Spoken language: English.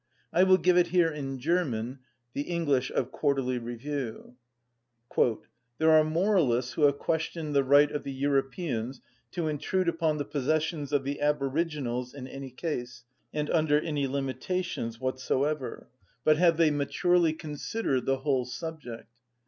I will give it here in German (English of Quarterly Review): "There are moralists who have questioned the right of the Europeans to intrude upon the possessions of the aboriginals in any case, and under any limitations whatsoever; but have they maturely considered the whole subject?